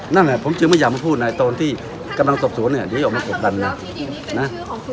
นั่นแหละผมจึงไม่อยากมาพูดในตอนที่กำลังสอบสวนเนี่ยเดี๋ยวออกมากดดันเลยนะ